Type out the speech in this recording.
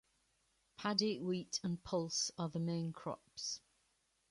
Paddy, wheat and pulse are the main crops.